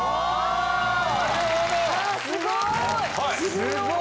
すごい！